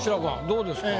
どうですか？